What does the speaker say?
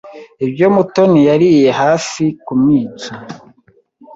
Ibyo Mutoni yariye hafi kumwica.